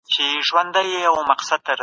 ټولنیز علوم هم د څېړني ځانګړې برخه ده.